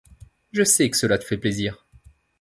Je sais que cela te fait plaisir.